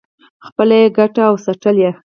خپله یې ګټله او څټله.